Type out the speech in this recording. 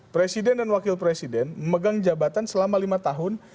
presiden dan wakil presiden memegang jabatan selama lima tahun